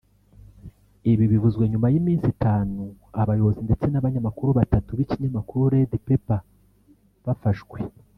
Ibi bivuzwe nyuma y’iminsi itanu abayobozi ndetse n’abanyamakuru batatu b’ikinyamakuru Red Pepper bafashwe